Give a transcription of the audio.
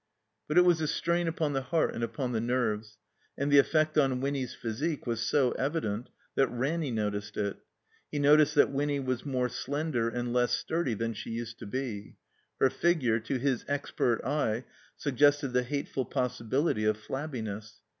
But it was a strain upon the heart and upon the nerves; and the effect on Winny's physique was so evident that Ranny noticed it. He noticed that Winny was more slender and less sturdy than she used to be; her figure, to his expert eye, suggested the hateful possibility of flabbiness.